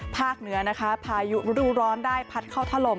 ภาคเหนือพายุรุดร้อนได้พัดเข้าถล่ม